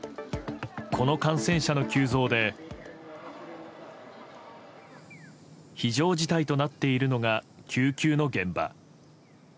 この感染者の急増で非常事態となっているのが救急の現場。